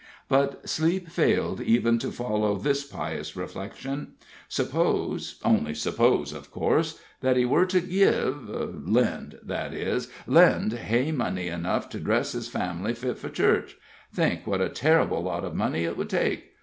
But sleep failed even to follow this pious reflection. Suppose only suppose, of course that he were to give lend, that is lend Hay money enough to dress his family fit for church think what a terrible lot of money it would take!